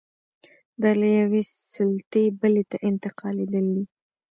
دا له یوې سلطې بلې ته انتقالېدل دي.